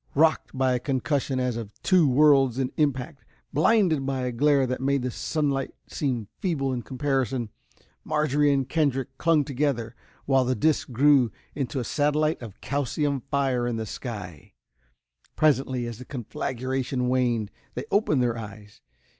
Rocked by a concussion as of two worlds in impact, blinded by a glare that made the sunlight seem feeble in comparison. Marjorie and Kendrick clung together, while the disc grew into a satellite of calcium fire in the sky. Presently, as the conflagration waned, they opened their eyes.